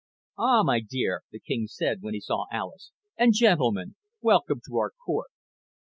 "Ah, my dear," the king said when he saw Alis. "And gentlemen. Welcome to our court.